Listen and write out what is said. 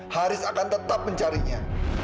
haris akan tetap mencarinya